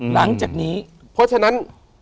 หลังจากนี้เพราะฉะนั้น